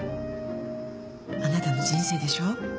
あなたの人生でしょ？